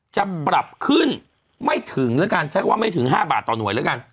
จะปรับขึ้นไม่ถึงแล้วกันใช้คำว่าไม่ถึง๕บาทต่อหน่วยแล้วกัน